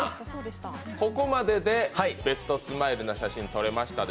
ここまででベストスマイルの写真撮れましたか？